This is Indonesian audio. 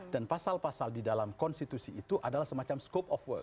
dan pasal pasal di dalam konstitusi itu adalah semacam skop of work